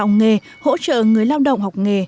học nghề hỗ trợ người lao động học nghề